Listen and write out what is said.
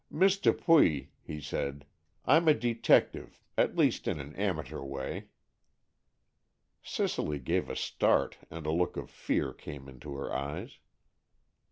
"Miss Dupuy," he said, "I'm a detective, at least in an amateur way." Cicely gave a start and a look of fear came into her eyes.